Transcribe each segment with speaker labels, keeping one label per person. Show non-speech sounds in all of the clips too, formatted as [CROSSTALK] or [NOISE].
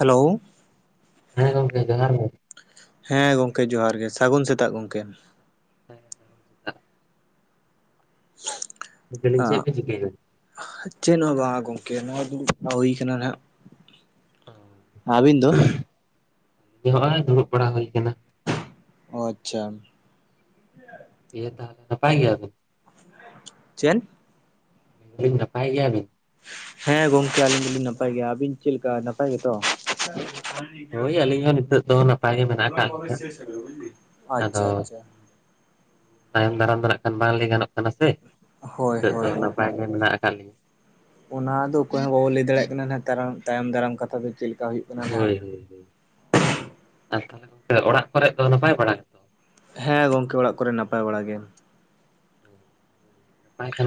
Speaker 1: Hello,
Speaker 2: ᱦᱮᱸ ᱜᱚᱢᱠᱮ ᱡᱚᱦᱟᱨ ᱜᱮ
Speaker 1: ᱦᱮᱸ ᱜᱚᱢᱠᱮ ᱡᱚᱦᱟᱨ ᱜᱮ, ᱥᱟᱹᱜᱩᱱ ᱥᱮᱛᱟᱜ ᱜᱚᱢᱠᱮ ᱾
Speaker 2: [INAUDIBLE]
Speaker 1: [UNINTELLIGIBLE]
Speaker 2: ᱞᱮᱫᱟᱞᱤᱧ ᱪᱮᱫ ᱵᱮᱱ ᱪᱤᱠᱟᱹᱭᱮᱫᱟ?
Speaker 1: ᱪᱮᱫ ᱦᱚᱸ ᱵᱟᱝ ᱜᱚᱢᱠᱮ ᱱᱚᱜᱼᱚᱭ ᱫᱩᱲᱩᱵ ᱵᱟᱲᱟ ᱦᱩᱭ ᱠᱟᱱᱟ ᱱᱟᱱᱟᱜ᱾
Speaker 2: ᱚᱻ
Speaker 1: ᱟᱹᱵᱤᱱ ᱫᱚ?
Speaker 2: ᱱᱚᱜᱼᱚᱭ ᱫᱩᱲᱩᱵ ᱵᱟᱲᱟ ᱦᱳᱭ ᱟᱠᱟᱱᱟ᱾
Speaker 1: ᱚ ᱟᱪᱪᱷᱟ,
Speaker 2: ᱫᱤᱭᱮ ᱛᱟᱦᱚᱞᱮ ᱱᱟᱯᱟᱭ ᱜᱮᱭᱟ ᱵᱤᱱ?
Speaker 1: ᱪᱮᱫ?
Speaker 2: ᱱᱟᱯᱟᱭ ᱜᱮᱭᱟ ᱵᱤᱱ?
Speaker 1: ᱦᱮᱸ ᱜᱚᱢᱠᱮ ᱟᱹᱞᱤᱧ ᱫᱩᱞᱤᱧ ᱱᱟᱯᱟᱭ ᱜᱮᱭᱟ, ᱟᱹᱵᱤᱱ ᱪᱮᱫ ᱞᱮᱠᱟ ᱱᱟᱯᱟᱭ ᱜᱮ ᱛᱚ?
Speaker 2: ᱦᱳᱭ ᱟᱹᱞᱤᱧ ᱦᱚᱸ ᱱᱤᱛᱚᱜ ᱫᱚ ᱱᱟᱯᱟᱭ ᱜᱮ ᱢᱮᱱᱟᱜ ᱟᱠᱟᱫ ᱞᱤᱧᱟᱹ
Speaker 1: [INAUDIBLE]
Speaker 2: ᱟᱫᱚ
Speaker 1: ᱟᱪᱪᱷᱟ ᱟᱪᱪᱷᱟ,
Speaker 2: ᱛᱟᱭᱚᱢ ᱫᱟᱨᱟᱢ ᱫᱚ ᱱᱟᱜ ᱠᱷᱟᱱ ᱵᱟᱝ ᱞᱟᱹᱭ ᱜᱟᱱᱚᱜ ᱠᱟᱱᱟ ᱥᱮ
Speaker 1: ᱦᱳᱭ
Speaker 2: ᱱᱤᱛᱳᱜ ᱫᱚ
Speaker 1: ᱦᱳᱭ ᱦᱳᱭ
Speaker 2: ᱱᱟᱯᱟᱭ, ᱜᱮ ᱢᱮᱱᱟᱜ ᱟᱠᱟᱫ ᱞᱤᱧᱟ ᱾
Speaker 1: ᱚᱱᱟ ᱫᱚ ᱚᱠᱚᱭ ᱦᱚᱸ ᱵᱟᱵᱚ ᱞᱟᱹᱭ ᱫᱟᱲᱮᱭᱟᱜ ᱠᱟᱱᱟ ᱛᱟᱭᱚᱢ ᱫᱟᱨᱟᱢ ᱠᱟᱛᱷᱟ ᱫᱚ ᱪᱮᱫ ᱞᱮᱠᱟ ᱦᱩᱭᱩᱜ ᱠᱟᱱᱟ ᱱᱟᱜ
Speaker 2: ᱦᱳᱭ ᱦᱳᱭ, ᱟᱨ ᱛᱟᱦᱚᱞᱮ ᱜᱚᱢᱠᱮ ᱚᱲᱟᱜ ᱠᱚᱨᱮ ᱫᱚ ᱱᱟᱯᱟᱭ ᱵᱟᱲᱟ? ᱜᱮᱛᱚ?
Speaker 1: ᱦᱮᱸ ᱜᱚᱢᱠᱮ ᱚᱲᱟᱜ ᱠᱚᱨᱮ ᱱᱟᱯᱟᱭ ᱵᱟᱲᱟ ᱜᱮ ᱾
Speaker 2: [UNINTELLIGIBLE]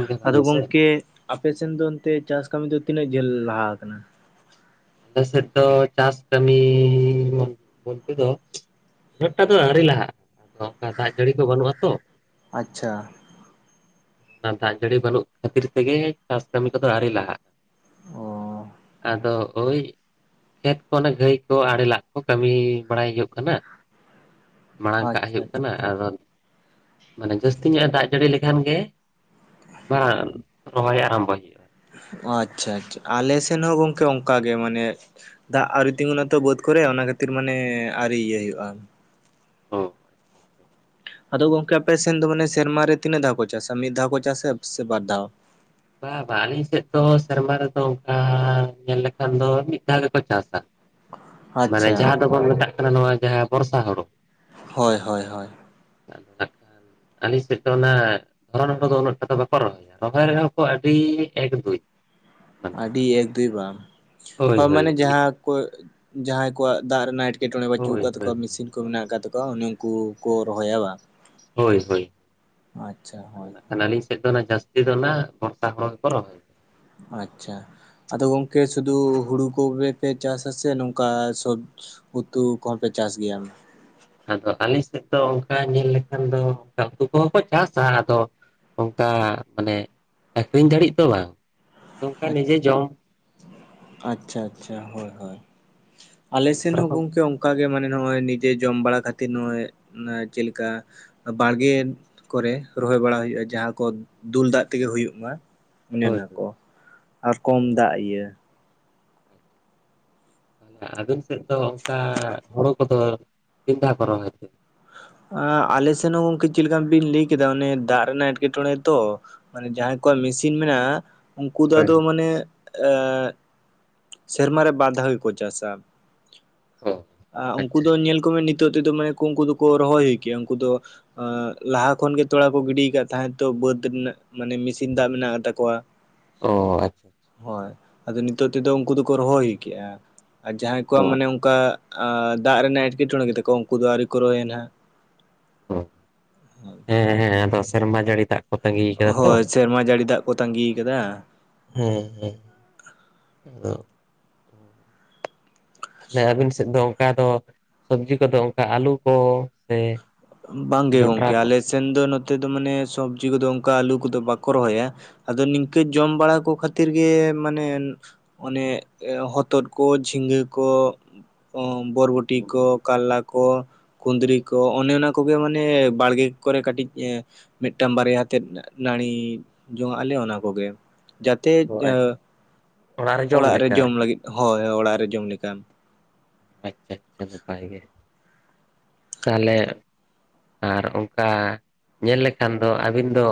Speaker 2: ᱜᱮ
Speaker 1: ᱟᱫᱚ
Speaker 2: ᱵᱷᱟᱜᱮ ᱥᱮ
Speaker 1: ᱜᱚᱝᱠᱮ ᱟᱯᱮᱥᱮᱱ ᱫᱚ ᱚᱱᱛᱮ ᱪᱟᱥ ᱠᱟᱹᱢᱤ ᱫᱚ ᱛᱤᱱᱟᱹᱜ ᱡᱷᱟᱹᱞ ᱞᱟᱦᱟ ᱠᱟᱱᱟ?
Speaker 2: ᱟᱞᱮ ᱥᱮᱫ ᱫᱚ, ᱪᱟᱥ ᱠᱟᱹᱢᱤ ᱵᱚᱞᱛᱮ ᱫᱚ ᱩᱱᱟᱹᱜ ᱴᱟ ᱫᱚ ᱟᱹᱣᱨᱤ ᱞᱟᱦᱟᱜᱼᱟ, ᱟᱫᱚ ᱚᱱᱠᱟ ᱫᱟᱜ ᱡᱟᱹᱲᱤ ᱠᱚ ᱵᱟᱹᱱᱩᱜᱼᱟ ᱛᱚ᱾
Speaker 1: ᱟᱪᱪᱷᱟ᱾
Speaker 2: ᱟ ᱫᱟᱜ ᱡᱟᱹᱲᱤ ᱵᱟᱹᱱᱩᱜ ᱠᱷᱟᱹᱛᱤᱨ ᱛᱮᱜᱮ, ᱪᱟᱥ ᱠᱟᱹᱢᱤ ᱠᱚᱫᱚ ᱟᱹᱣᱨᱤ ᱞᱟᱦᱟᱜᱼᱟ᱾
Speaker 1: ᱚ
Speaker 2: ᱟᱫᱚ ᱦᱳᱭ ᱠᱷᱮᱛ ᱠᱚ ᱚᱱᱮ ᱜᱟᱹᱭ ᱠᱚ ᱟᱲᱮ ᱞᱟᱜ ᱠᱚ ᱠᱟᱹᱢᱤ ᱵᱟᱲᱟᱭ ᱦᱳᱜᱳᱜ ᱠᱟᱱᱟ᱾ ᱢᱟᱲᱟᱝ ᱠᱟᱜ
Speaker 1: ᱟᱪᱪᱷᱟ
Speaker 2: ᱦᱳᱭᱳᱜ
Speaker 1: ᱟᱪᱪᱷᱟ
Speaker 2: ᱠᱟᱱᱟ,
Speaker 1: ᱟᱪᱪᱷᱟ
Speaker 2: ᱟᱫᱚ ᱢᱟᱱᱮ ᱡᱟᱹᱥᱛᱤ ᱧᱚᱜ ᱮ ᱫᱟᱜ ᱡᱟᱹᱲᱤ ᱞᱮᱠᱷᱟᱱ ᱜᱮ ᱵᱟᱝ ᱨᱚᱦᱚᱭ ᱟᱨᱟᱢᱵᱷᱚᱭ ᱦᱳᱭᱳᱜᱼᱟ᱾
Speaker 1: ᱚ ᱟᱪᱪᱷᱟ ᱟᱪᱪᱷᱟ ᱟᱞᱮ ᱥᱮᱱ ᱦᱚᱸ ᱜᱚᱝᱠᱮ ᱚᱱᱠᱟ ᱜᱮ, ᱢᱟᱱᱮ ᱫᱟᱜ ᱟᱹᱣᱨᱤ ᱛᱤᱸᱜᱩᱱᱟ ᱛᱚ ᱵᱟᱹᱫᱽ ᱠᱚᱨᱮ ᱚᱱᱟ ᱠᱷᱟᱹᱛᱤᱨ ᱢᱟᱱᱮ ᱟᱹᱣᱨᱤ ᱤᱭᱟᱹ ᱦᱳᱭᱳᱜᱼᱟ᱾
Speaker 2: ᱦᱚᱸ
Speaker 1: ᱟᱫᱚ ᱜᱚᱝᱠᱮ ᱟᱯᱮ ᱥᱮᱱ ᱫᱚ ᱢᱟᱱᱮ ᱥᱮᱨᱢᱟᱨᱮ ᱛᱤᱱᱟᱹᱜ ᱫᱷᱟᱣ ᱠᱚ ᱪᱟᱥᱟ? ᱢᱤᱫ ᱫᱷᱟᱣ ᱠᱚ ᱪᱟᱥᱟ ᱥᱮ ᱵᱟᱨ ᱫᱷᱟᱣ?
Speaker 2: ᱵᱟᱝ ᱵᱟᱝ ᱟᱹᱞᱤᱧ ᱥᱮᱱ ᱫᱚ ᱥᱮᱨᱢᱟ ᱨᱮᱫᱚ, ᱚᱱᱠᱟ ᱧᱮᱞ ᱞᱮᱠᱷᱟᱱ ᱫᱚ ᱢᱤᱫ ᱫᱷᱟᱣ ᱜᱮᱠᱚ ᱪᱟᱥᱟ᱾ ᱢᱟᱱᱮ
Speaker 1: ᱟᱪᱪᱷᱟ
Speaker 2: ᱡᱟᱦᱟᱸ ᱫᱚ ᱵᱟᱝ ᱢᱮᱛᱟᱜ ᱠᱟᱱᱟ, ᱱᱚᱣᱟ ᱡᱟᱦᱟᱸ ᱵᱚᱨᱥᱟ ᱦᱳᱲᱳ᱾
Speaker 1: ᱦᱚᱭ ᱦᱚᱭ ᱦᱚᱭ᱾
Speaker 2: ᱟᱹᱞᱤᱧ ᱥᱮᱱ ᱫᱚ ᱚᱱᱟ ᱫᱷᱚᱨᱚᱱ ᱫᱚ ᱩᱱᱟᱹᱜ ᱴᱟ ᱫᱚ ᱵᱟᱠᱚ ᱨᱚᱦᱚᱭᱟ ᱨᱚᱦᱚᱭ ᱨᱮᱦᱚᱸ ᱟᱹᱰᱤ ᱮᱠ ᱫᱩᱭ᱾ ᱢᱟᱱᱮ
Speaker 1: ᱟᱹᱰᱤ ᱮᱠ ᱫᱩᱭ ᱵᱟᱝ,
Speaker 2: ᱦᱳᱭ
Speaker 1: ᱢᱟᱱᱮ
Speaker 2: ᱦᱳᱭ ᱦᱳᱭ
Speaker 1: ᱡᱟᱦᱟᱸ ᱠᱚ ᱡᱟᱦᱟᱸᱭ ᱠᱚᱣᱟᱜ ᱫᱟᱜ ᱨᱮᱱᱟ ᱮᱴ ᱠᱮᱴᱚᱬᱮ ᱵᱟᱪᱩᱜ
Speaker 2: ᱦᱳᱭ
Speaker 1: ᱠᱟᱜ ᱛᱟᱠᱚᱣᱟ ᱢᱮᱥᱤᱱ ᱠᱚ ᱢᱮᱱᱟᱜ ᱟᱠᱟᱫ ᱛᱟᱠᱚᱣᱟ ᱩᱱᱤ ᱩᱱᱠᱩ ᱠᱚ ᱨᱚᱦᱚᱭᱟ ᱵᱟᱝ?
Speaker 2: ᱦᱳᱭ ᱦᱳᱭ᱾
Speaker 1: ᱟᱪᱪᱷᱟ ᱦᱳᱭ
Speaker 2: ᱟᱹᱞᱤᱧ ᱥᱮᱫ ᱫᱚ ᱚᱱᱟ ᱡᱟᱹᱥᱛᱤ ᱫᱚ ᱚᱱᱟ ᱵᱚᱥᱛᱟ ᱦᱳᱲᱳ ᱜᱮᱠᱚ ᱨᱚᱦᱚᱭᱟ᱾
Speaker 1: ᱟᱪᱪᱷᱟ ᱟᱫᱚ ᱜᱚᱝᱠᱮ ᱥᱩᱫᱩ ᱦᱩᱲᱩ ᱠᱚᱜᱮᱯᱮ ᱪᱟᱥᱟ ᱥᱮ ᱱᱚᱝᱠᱟ ᱥᱚᱵ ᱩᱛᱩ ᱠᱚᱦᱚᱸᱯᱮ ᱪᱟᱥ ᱜᱮᱭᱟ?
Speaker 2: ᱟᱫᱚ ᱟᱞᱮ ᱥᱮᱜ ᱫᱚ ᱚᱱᱠᱟ ᱧᱮᱞ ᱞᱮᱠᱷᱟᱱ ᱫᱚ ᱩᱱᱠᱩ ᱠᱚᱦᱚᱸ ᱠᱚ ᱪᱟᱥᱟ ᱟᱫᱚ ᱚᱝᱠᱟ ᱢᱟᱱᱮ ᱟᱠᱷᱨᱤᱧ ᱫᱟᱲᱤᱜ ᱫᱚ ᱵᱟᱝ᱾ ᱚᱱᱠᱟ ᱱᱤᱡᱮ ᱡᱚᱢ
Speaker 1: ᱟᱪ-ᱟᱪᱪᱷᱟ ᱟᱪᱪᱷᱟ ᱦᱳᱭ ᱦᱳᱭ᱾ ᱟᱞᱮ
Speaker 2: ᱡᱚᱛᱚ
Speaker 1: ᱥᱮᱱ ᱦᱚᱸ
Speaker 2: ᱨᱚᱠᱚᱢ
Speaker 1: ᱜᱚᱝᱠᱮ ᱚᱱᱠᱟᱜ ᱜᱮ ᱢᱟᱱᱮ ᱱᱚᱜᱼᱚᱭ ᱱᱤᱡᱮ ᱡᱚᱢ ᱵᱟᱲᱟ ᱠᱷᱟᱹᱛᱤᱨ ᱱᱚᱜᱼᱚᱭ ᱪᱮᱞᱮᱠᱟ ᱵᱟᱲᱜᱮ ᱠᱚᱨᱮ ᱨᱚᱦᱚᱭ ᱵᱟᱲᱟ ᱦᱳᱭᱳᱜᱼᱟ ᱡᱟᱦᱟᱸ ᱠᱚ ᱫᱩᱞ ᱫᱟᱜ ᱛᱮᱜᱮ ᱦᱳᱭᱳᱜ ᱢᱟ᱾ ᱚᱱᱮ
Speaker 2: ᱦᱳᱭ
Speaker 1: ᱚᱱᱠᱟ
Speaker 2: ᱦᱳᱭ
Speaker 1: ᱠᱚ ᱟᱨ ᱠᱚᱢ
Speaker 2: ᱦᱳᱭ,
Speaker 1: ᱫᱟᱜ
Speaker 2: ᱟᱪᱪᱷᱟ
Speaker 1: ᱤᱭᱟᱹ
Speaker 2: ᱟᱪᱪᱷᱟ ᱟᱪᱪᱷᱟ᱾ ᱟᱵᱤᱱ ᱥᱮᱫ ᱫᱚ ᱚᱝᱠᱟ ᱦᱳᱲᱩ ᱠᱚᱫᱚ ᱛᱤᱱᱫᱷᱟᱣ ᱠᱚ ᱨᱚᱦᱚᱭ ᱛᱮ?
Speaker 1: ᱟᱸ ᱟᱞᱮ ᱥᱮᱱ ᱦᱚᱸ ᱜᱚᱝᱠᱮ ᱪᱮᱫ ᱞᱮᱠᱟ ᱵᱤᱱ ᱞᱟᱹᱭ ᱠᱮᱫᱟ ᱚᱱᱮ ᱫᱟᱜ ᱨᱮᱱᱟᱜ ᱮᱴᱠᱮᱴᱚᱬᱮ ᱛᱚ᱾ ᱢᱟᱱᱮ ᱡᱟᱦᱟᱸᱭ ᱠᱚᱣᱟᱜ ᱢᱮᱥᱤᱱ ᱢᱮᱱᱟᱜᱼᱟ, ᱩᱱᱠᱩ ᱫᱚ
Speaker 2: ᱦᱳᱭ
Speaker 1: ᱟᱫᱚ
Speaker 2: ᱦᱳᱭ
Speaker 1: ᱢᱟᱱᱮ ᱟᱸᱜ ᱥᱮᱨᱢᱟ ᱨᱮ ᱵᱟᱨ ᱫᱷᱟᱣ ᱜᱮᱠᱚ ᱪᱟᱥᱟ᱾
Speaker 2: ᱚ
Speaker 1: ᱟ ᱩᱝᱠᱩ
Speaker 2: ᱟᱪᱪᱷᱟ
Speaker 1: ᱫᱚ
Speaker 2: ᱟᱪᱪᱷᱟ
Speaker 1: ᱧᱮᱞ ᱠᱚᱵᱮᱱ ᱱᱤᱛᱳᱜ ᱛᱮᱫᱚ ᱢᱟᱱᱮ ᱩᱝᱠᱩ ᱫᱚᱠᱚ ᱨᱚᱦᱚᱭ ᱦᱳᱭ ᱠᱮᱭᱟ ᱩᱝᱠᱩ ᱫᱚ ᱟ ᱞᱟᱦᱟ ᱠᱷᱚᱱᱜᱮ ᱛᱚᱲᱟ ᱠᱚ ᱜᱤᱰᱤ ᱠᱟᱫ ᱛᱟᱦᱮᱸᱫ ᱛᱚ ᱵᱟᱹᱫᱽ ᱨᱮᱱᱟᱜ ᱢᱟᱱᱮ ᱢᱮᱥᱤᱱ ᱫᱟᱜ ᱢᱮᱱᱟᱜ ᱛᱟᱠᱚᱣᱟ᱾
Speaker 2: ᱚ ᱟᱪᱪᱷᱟ ᱟᱪᱪᱷᱟ᱾
Speaker 1: ᱦᱚᱭ ᱟᱫᱚ ᱱᱤᱛᱚᱜ ᱩᱝᱠᱩ ᱛᱮᱫᱚ ᱩᱱᱠᱩ ᱫᱚᱠᱚ ᱨᱚᱦᱚᱭ ᱠᱮᱜᱼᱟ ᱟᱨ ᱡᱟᱦᱟᱸᱭ
Speaker 2: ᱚ
Speaker 1: ᱠᱚᱣᱟᱜ ᱢᱟᱱᱮ ᱚᱝᱠᱟ ᱟ ᱫᱟᱜ ᱨᱮᱱᱟᱜ ᱮᱸᱴᱠᱮᱴᱚᱬᱮ ᱜᱮᱛᱟᱠᱚᱣᱟ ᱩᱱᱠᱩ ᱫᱚ ᱟᱹᱣᱨᱤ ᱠᱚ ᱨᱚᱦᱚᱭ ᱱᱟᱜ᱾
Speaker 2: [UNINTELLIGIBLE] ᱦᱮᱸ ᱦᱮᱸ ᱟᱫᱚ ᱥᱮᱨᱢᱟ ᱡᱟᱹᱲᱤ ᱫᱟᱜ ᱠᱚ ᱛᱟᱺᱜᱤ ᱠᱟᱫᱟ ᱛᱚ
Speaker 1: ᱦᱳᱭ ᱥᱮᱨᱢᱟ ᱡᱟᱹᱲᱤ ᱫᱟᱜ ᱠᱚ ᱛᱟᱸᱜᱤ ᱠᱟᱫᱟ᱾
Speaker 2: ᱦᱮᱸ ᱦᱮᱸ ᱟᱫᱚ
Speaker 1: [UNINTELLIGIBLE]
Speaker 2: ᱡᱮ ᱟᱹᱵᱤᱱ ᱥᱮᱫ ᱫᱚ ᱚᱱᱠᱟ ᱫᱚ ᱥᱚᱵᱽᱡᱤ ᱠᱚᱫᱚ ᱚᱱᱠᱟ ᱟᱹᱞᱩ ᱠᱚ ᱥᱮ
Speaker 1: ᱵᱟᱝᱜᱮ
Speaker 2: ᱡᱚᱱᱰᱨᱟ
Speaker 1: ᱜᱚᱢᱠᱮ
Speaker 2: ᱠᱚ
Speaker 1: ᱟᱞᱮ ᱥᱮᱱ ᱫᱚ ᱱᱚᱛᱮ ᱫᱚ ᱢᱟᱱᱮ ᱥᱚᱵᱽᱡᱤ ᱠᱚᱫᱚ ᱚᱱᱠᱟ ᱟᱹᱞᱩ ᱠᱚᱫᱚ ᱵᱟᱠᱚ ᱨᱚᱦᱚᱭᱟ ᱾ ᱟᱫᱚ ᱱᱤᱝᱠᱟᱹ ᱡᱚᱢ ᱵᱟᱲᱟ ᱠᱚ ᱠᱷᱟᱹᱛᱤᱨ ᱜᱮ ᱢᱟᱱᱮ ᱚᱱᱮ ᱦᱚᱛᱚᱫ ᱠᱚ, ᱡᱷᱤᱸᱜᱟᱹ ᱠᱚ ᱚᱸ ᱵᱚᱨᱵᱚᱴᱤ ᱠᱚ, ᱠᱟᱨᱞᱟ ᱠᱚ, ᱠᱩᱫᱽᱨᱤ ᱠᱚ ᱚᱱᱮ ᱚᱱᱟ ᱠᱚᱜᱮ ᱢᱟᱱᱮ ᱵᱟᱲᱜᱮ ᱠᱚᱨᱮ ᱠᱟᱹᱴᱤᱡ ᱮᱸ ᱢᱤᱫᱴᱟᱝ ᱵᱟᱨᱭᱟ ᱛᱮᱫ ᱱᱟᱹᱲᱤ ᱡᱚᱝᱟᱜ ᱟᱞᱮ ᱚᱱᱟ ᱠᱚᱜᱮ ᱾ ᱡᱟᱛᱮ ᱮᱸ ᱚᱲᱟᱜ ᱨᱮ ᱡᱚᱢ ᱞᱟᱹᱜᱤᱫ ᱦᱳᱭ ᱚᱲᱟᱜ ᱨᱮ ᱡᱚᱢ ᱞᱮᱠᱟᱱ ᱾
Speaker 2: ᱟᱪᱪᱷᱟ ᱟᱪᱪᱷᱟ ᱱᱟᱯᱟᱭ ᱜᱮ, ᱛᱟᱦᱚᱞᱮ ᱟᱨ ᱚᱱᱠᱟ ᱧᱮᱞ ᱞᱮᱠᱷᱟᱱ ᱫᱚ ᱟᱹᱵᱤᱱ ᱫᱚ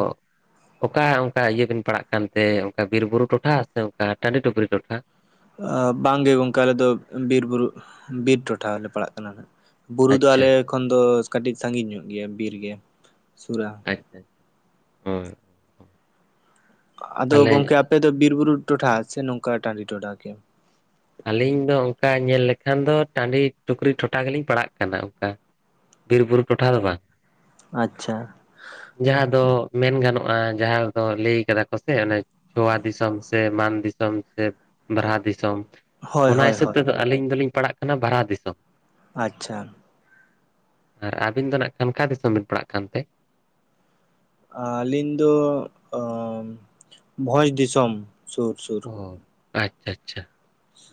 Speaker 2: ᱚᱠᱟ ᱚᱱᱠᱟ ᱤᱭᱟᱹ ᱵᱤᱱ ᱯᱟᱲᱟᱜ ᱠᱟᱱ ᱛᱮ ᱚᱱᱠᱟ ᱵᱤᱨ ᱵᱩᱨᱩ ᱴᱚᱴᱷᱟ ᱥᱮ ᱚᱱᱠᱟ ᱴᱟᱺᱰᱤ ᱴᱩᱯᱨᱤ ᱴᱚᱴᱷᱟ?
Speaker 1: ᱵᱟᱝᱜᱮ ᱜᱚᱝᱠᱮ ᱟᱞᱮ ᱫᱚ ᱵᱤᱨ ᱵᱩᱨᱩ ᱵᱤᱨ ᱴᱚᱴᱷᱟ ᱞᱮ ᱯᱟᱲᱟᱜ ᱠᱟᱱᱟ ᱱᱟᱜ ᱾ ᱵᱩᱨᱩ ᱫᱚ
Speaker 2: ᱟᱪᱪᱷᱟ
Speaker 1: ᱟᱞᱮ
Speaker 2: ᱟᱪᱪᱷᱟ
Speaker 1: ᱠᱷᱚᱱ ᱫᱚ ᱠᱟᱹᱴᱤᱡ ᱥᱟᱺᱜᱤᱧ ᱧᱚᱜ ᱜᱮᱭᱟ ᱵᱤᱨ ᱜᱮ ᱥᱩᱨᱟ ᱾
Speaker 2: ᱟᱪᱪᱷᱟ ᱦᱳᱭ
Speaker 1: ᱟᱫᱚ
Speaker 2: ᱛᱟᱦᱚᱞᱮ
Speaker 1: ᱜᱚᱝᱠᱮ ᱟᱯᱮ ᱫᱚ ᱵᱤᱨ ᱵᱩᱨᱩ ᱴᱚᱴᱷᱟ ᱥᱮ ᱱᱚᱝᱠᱟ ᱴᱟᱺᱰᱤ ᱴᱚᱴᱷᱟ ᱠᱮ?
Speaker 2: ᱟᱞᱤᱧ ᱫᱚ ᱚᱱᱠᱟ ᱧᱮᱞ ᱞᱮᱠᱷᱟᱱ ᱫᱚ ᱴᱟᱺᱰᱤ ᱴᱩᱠᱨᱤ ᱴᱚᱴᱷᱟ ᱜᱮᱞᱤᱧ ᱯᱟᱲᱟᱜ ᱠᱟᱱᱟ ᱚᱱᱠᱟ ᱾ ᱵᱤᱨ ᱵᱩᱨᱩ ᱴᱚᱴᱷᱟ ᱫᱚ ᱵᱟ?
Speaker 1: ᱟᱪᱪᱷᱟ ᱾
Speaker 2: ᱡᱟᱦᱟᱸ ᱫᱚ ᱢᱮᱱ ᱜᱟᱱᱚᱜᱼᱟ ᱡᱟᱦᱟᱸ ᱫᱚ ᱞᱟᱹᱭ ᱠᱟᱫᱟ ᱠᱚ ᱥᱮ ᱚᱱᱮ ᱪᱷᱳᱣᱟ ᱫᱤᱥᱚᱢ ᱥᱮ ᱢᱟᱱ ᱫᱤᱥᱚᱢ ᱥᱮ ᱵᱟᱨᱦᱟ ᱫᱤᱥᱚᱢ
Speaker 1: ᱦᱳᱭ
Speaker 2: ᱚᱱᱟ
Speaker 1: ᱦᱳᱭ
Speaker 2: ᱦᱤᱥᱟᱹᱵ
Speaker 1: ᱦᱳᱭ
Speaker 2: ᱛᱮᱫᱚ ᱟᱹᱞᱤᱧ ᱫᱚᱞᱤᱧ ᱯᱟᱲᱦᱟᱜ ᱠᱟᱱᱟ ᱵᱟᱨᱦᱟ ᱫᱤᱥᱚᱢ ᱾
Speaker 1: ᱟᱪᱪᱷᱟ ᱾
Speaker 2: ᱟᱨ ᱟᱹᱵᱤᱱ ᱫᱚ ᱱᱟᱜ ᱠᱷᱟᱱ ᱚᱠᱟ ᱫᱤᱥᱚᱢ ᱵᱤᱱ ᱯᱟᱲᱟᱜ ᱠᱟᱱᱛᱮ?
Speaker 1: ᱟᱹᱞᱤᱧ ᱫᱚ ᱚᱸ ᱵᱷᱚᱡᱽ ᱫᱤᱥᱚᱢ ᱥᱩᱨ ᱥᱩᱨ ᱾
Speaker 2: ᱚ ᱟᱪᱪᱷᱟ ᱟᱪᱪᱷᱟ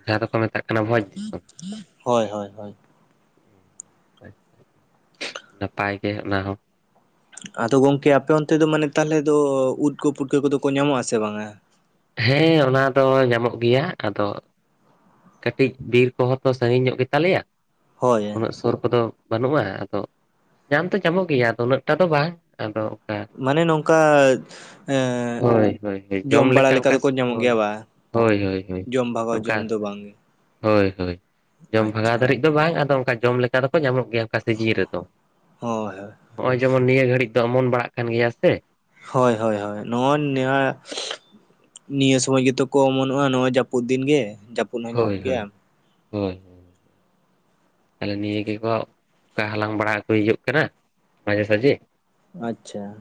Speaker 2: ᱡᱟᱦᱟᱸ ᱫᱚᱠᱚ ᱢᱮᱛᱟᱜ ᱵᱷᱚᱡᱽ ᱫᱤᱥᱚᱢ?
Speaker 1: ᱦᱳᱭ ᱦᱳᱭ ᱦᱳᱭ
Speaker 2: ᱚ ᱟᱪᱪᱷᱟ ᱟᱪᱪᱷᱟ ᱱᱟᱯᱟᱭ ᱜᱮ ᱚᱱᱟ ᱦᱚᱸ ᱾
Speaker 1: ᱟᱫᱚ ᱜᱚᱝᱠᱮ ᱟᱯᱮ ᱚᱱᱛᱮ ᱫᱚ ᱢᱟᱱᱮ ᱛᱟᱦᱚᱞᱮ ᱫᱚ ᱩᱫ ᱠᱚ, ᱯᱩᱴᱠᱟᱹ ᱠᱚᱫᱚ ᱠᱚ ᱧᱟᱢᱚᱜ ᱟᱥᱮ ᱵᱟᱝᱟ?
Speaker 2: ᱦᱮᱸ ᱚᱱᱟ ᱫᱚ ᱧᱟᱢᱚᱜ ᱜᱮᱭᱟ ᱟᱫᱚ ᱠᱟᱹᱴᱤᱡ ᱵᱤᱨ ᱠᱚᱦᱚᱸ ᱛᱚ ᱥᱟᱺᱜᱤᱧ ᱧᱚᱜ ᱜᱮᱛᱟ ᱞᱮᱭᱟ
Speaker 1: ᱦᱳᱭ
Speaker 2: ᱩᱱᱟᱹᱜ ᱥᱩᱨ ᱠᱚᱫᱚ ᱵᱟᱹᱱᱩᱜᱼᱟ, ᱟᱫᱚ ᱧᱟᱢ ᱫᱚ ᱧᱟᱢᱚᱜ ᱜᱮᱭᱟ ᱟᱫᱚ ᱩᱱᱟᱹᱜ ᱴᱟ ᱫᱚ ᱵᱟᱝ ᱟᱫᱚ ᱚᱱᱠᱟ
Speaker 1: ᱢᱟᱱᱮ ᱱᱚᱝᱠᱟ ᱮᱸ
Speaker 2: ᱦᱳᱭ ᱦᱳᱭ ᱦᱳᱭ
Speaker 1: ᱡᱚᱢ ᱵᱟᱲᱟ ᱚᱠᱟ ᱞᱮᱠᱟ ᱫᱚᱠᱚ ᱧᱟᱢᱚᱜ
Speaker 2: ᱦᱳᱭ
Speaker 1: ᱜᱮᱭᱟ ᱵᱟ?
Speaker 2: ᱦᱳᱭ ᱦᱳᱭ ᱦᱳᱭ
Speaker 1: ᱡᱚᱢ ᱵᱷᱟᱜᱟᱣ ᱡᱚᱢ
Speaker 2: ᱚᱱᱠᱟ
Speaker 1: ᱫᱚ ᱵᱟᱝ ᱜᱮ ᱾
Speaker 2: ᱦᱳᱭ ᱦᱳᱭ ᱡᱚᱢ ᱵᱷᱟᱜᱟᱣ ᱫᱷᱟᱹᱨᱤᱡ ᱫᱚ ᱵᱟᱝ ᱟᱫᱚ ᱚᱱᱠᱟ ᱡᱚᱢ ᱞᱮᱠᱟ ᱫᱚᱠᱚ ᱧᱟᱢᱚᱜ ᱜᱮᱭᱟ ᱚᱱᱠᱟ ᱥᱤᱡᱤᱱ ᱨᱮᱫᱚ ᱾
Speaker 1: ᱦᱳᱭ ᱦᱳᱭ ᱾
Speaker 2: ᱦᱚᱸᱜᱼᱚᱭ ᱡᱮᱢᱚᱱ ᱱᱤᱭᱟᱹ ᱜᱷᱟᱹᱲᱤᱡ ᱫᱚ ᱚᱢᱚᱱ ᱵᱟᱲᱟᱜ ᱠᱟᱱ ᱜᱮᱭᱟ ᱥᱮ ᱾
Speaker 1: ᱦᱳᱭ ᱦᱳᱭ ᱦᱳᱭ ᱱᱚᱜᱼᱚᱭ ᱱᱤᱭᱟ ᱱᱤᱭᱟᱹ ᱥᱚᱢᱚᱡ ᱜᱮᱛᱚ ᱠᱚ ᱚᱢᱚᱱᱚᱜᱼᱟ ᱱᱚᱜ-ᱚᱭ ᱡᱟᱹᱯᱩᱫ ᱫᱤᱱ ᱜᱮ ᱡᱟᱯ
Speaker 2: ᱦᱳᱭ ᱦᱳᱭ, ᱦᱳᱭ ᱾ ᱛᱟᱦᱚᱞᱮ ᱱᱤᱭᱟᱹ ᱜᱮᱠᱚ ᱚᱱᱠᱟ ᱦᱟᱞᱟᱝ ᱵᱟᱲᱟ ᱠᱚ ᱦᱤᱡᱩᱜ ᱠᱟᱱᱟ ᱢᱟᱡᱷᱮ ᱥᱟᱡᱷᱮ ᱾
Speaker 1: ᱟᱪᱪᱷᱟ ᱾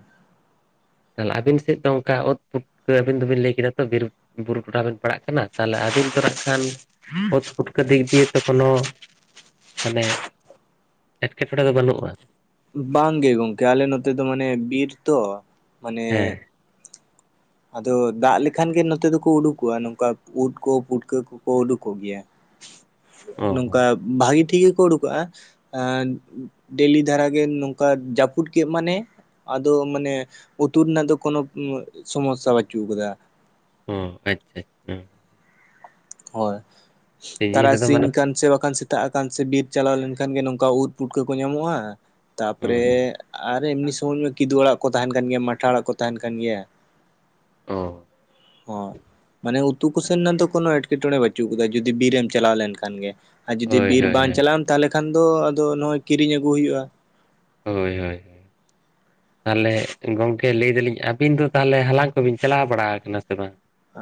Speaker 2: ᱛᱟᱦᱚᱞᱮ ᱟᱵᱤᱱ ᱥᱮᱫ ᱫᱚ ᱚᱱᱠᱟ ᱩᱫ ᱯᱩᱴᱠᱟᱹ ᱟᱹᱵᱤᱱ ᱫᱚᱵᱤᱱ ᱞᱟᱹᱭ ᱠᱮᱫᱟ ᱛᱚ ᱵᱤᱨ ᱵᱩᱨᱩ ᱴᱚᱴᱷᱟ ᱵᱤᱱ ᱯᱟᱲᱟᱜ ᱠᱟᱱᱟ ᱛᱟᱦᱞᱮ ᱟᱹᱵᱤᱱ ᱫᱚ ᱱᱟᱜ ᱠᱷᱟᱱ ᱩᱫ ᱯᱩᱴᱠᱟᱹ ᱫᱤᱠ ᱫᱤᱭᱮ ᱛᱚ ᱠᱳᱱᱳ ᱢᱟᱱᱮ ᱮᱴᱠᱮᱴᱚᱬᱮ ᱫᱚ ᱵᱟᱹᱱᱩᱜᱼᱟ?
Speaker 1: ᱵᱟᱝ ᱜᱮ ᱜᱚᱝᱠᱮ, ᱟᱞᱮ ᱱᱚᱛᱮ ᱫᱚ ᱢᱟᱱᱮ ᱵᱤᱨ ᱛᱚ ᱢᱟᱱᱮ
Speaker 2: ᱦᱮᱸ
Speaker 1: ᱟᱫᱚ ᱫᱟᱜ ᱞᱮᱠᱷᱟᱱ ᱜᱮ ᱱᱚᱛᱮ ᱫᱚᱠᱚ ᱩᱰᱩᱠᱚᱜᱼᱟ, ᱱᱚᱝᱠᱟ ᱩᱫ ᱠᱚ ᱯᱩᱴᱠᱟᱹ ᱠᱚᱠᱚ ᱩᱰᱩᱠᱚᱜ ᱜᱮᱭᱟ᱾
Speaker 2: ᱚ
Speaker 1: ᱱᱚᱝᱠᱟ ᱵᱷᱟᱜᱮ ᱴᱷᱤᱠ ᱜᱮᱠᱚ ᱩᱰᱩᱠᱚᱜᱼᱟ᱾ ᱮ ᱰᱮᱞᱤ ᱫᱷᱟᱨᱟ ᱜᱮ, ᱱᱚᱝᱠᱟ ᱡᱟᱹᱯᱩᱫ ᱠᱮᱫ ᱢᱟᱱᱮ ᱟᱫᱚ ᱢᱟᱱᱮ ᱩᱛᱩ ᱨᱮᱱᱟᱜ ᱫᱚ, ᱠᱚᱱᱚ ᱥᱚᱢᱚᱥᱥᱟ ᱵᱟᱹᱪᱩᱜ ᱠᱟᱫᱟ᱾
Speaker 2: ᱚᱻ ᱟᱪᱪᱷᱟ ᱟᱪᱪᱷᱟ᱾
Speaker 1: ᱦᱚᱭ,
Speaker 2: ᱥᱤᱡᱤᱱ ᱨᱮᱫᱚ ᱢᱟᱱᱮ
Speaker 1: ᱛᱟᱨᱟᱥᱤᱧ ᱟᱠᱟᱱ ᱥᱮ ᱵᱟᱝᱠᱷᱟᱱ ᱥᱮᱛᱟᱜ ᱟᱠᱟᱱ ᱥᱮ ᱵᱤᱨ ᱪᱟᱞᱟᱣ ᱞᱮᱱᱠᱷᱟᱱ ᱜᱮ, ᱱᱚᱝᱠᱟ ᱩᱫ ᱯᱩᱴᱠᱟᱹ ᱠᱚ ᱧᱟᱢᱚᱜᱼᱟ᱾
Speaker 2: ᱚ
Speaker 1: ᱛᱟᱯᱚᱨᱮ ᱟᱨ ᱮᱢᱱᱤ ᱥᱚᱢᱚᱭ ᱢᱟ ᱠᱤᱫᱩ ᱟᱲᱟᱜ ᱠᱚ ᱛᱟᱦᱮᱱ ᱠᱟᱱ ᱜᱮᱭᱟ, ᱢᱟᱴᱷᱟ ᱟᱲᱟᱜ ᱠᱚ ᱛᱟᱦᱮᱱ ᱠᱟᱱ ᱜᱮᱭᱟ᱾
Speaker 2: ᱚ
Speaker 1: ᱚᱸ, ᱢᱟᱱᱮ ᱩᱛᱩᱠᱩᱥᱮᱱ ᱱᱟ ᱛᱚ ᱠᱳᱱᱳ ᱮᱴ ᱮᱴᱠᱮᱴᱚᱬᱮ ᱵᱟᱹᱪᱩᱜ ᱠᱟᱫᱟ, ᱡᱩᱫᱤ ᱵᱤᱨ ᱮᱢ ᱪᱟᱞᱟᱣ ᱞᱮᱱᱠᱷᱟᱱ ᱜᱮ, ᱟᱨ ᱡᱩᱫᱤ
Speaker 2: ᱦᱳᱭ
Speaker 1: ᱵᱤᱨ
Speaker 2: ᱦᱳᱭ
Speaker 1: ᱵᱟᱝ
Speaker 2: ᱦᱳᱭ
Speaker 1: ᱪᱟᱞᱟᱣ ᱟᱢ ᱛᱟᱦᱚᱞᱮ ᱠᱷᱟᱱ ᱫᱚ ᱟᱫᱚ, ᱱᱚᱜᱼᱚᱭ ᱠᱤᱨᱤᱧ ᱟᱹᱜᱩ ᱦᱩᱭᱩᱜᱼᱟ᱾
Speaker 2: ᱦᱳᱭ ᱦᱳᱭ᱾ ᱛᱟᱦᱚᱞᱮ ᱜᱚᱝᱠᱮ ᱞᱟᱹᱭ ᱫᱟᱞᱤᱧ, ᱟᱹᱵᱤᱱ ᱫᱚ ᱛᱟᱦᱚᱞᱮ ᱦᱟᱞᱟᱝ ᱠᱚᱵᱤᱱ ᱪᱟᱞᱟᱣ ᱵᱟᱲᱟ ᱟᱠᱟᱱᱟ ᱥᱮ ᱵᱟᱝ?